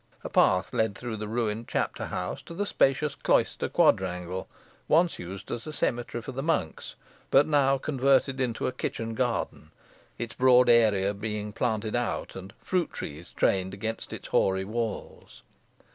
A path led through the ruined chapter house to the spacious cloister quadrangle, once used as a cemetery for the monks, but now converted into a kitchen garden, its broad area being planted out, and fruit trees trained against the hoary walls.